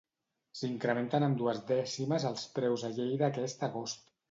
S'incrementen en dues dècimes els preus a Lleida aquest agost.